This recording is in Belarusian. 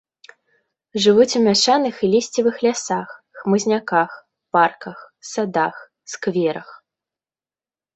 Жывуць у мяшаных і лісцевых лясах, хмызняках, парках, садах, скверах.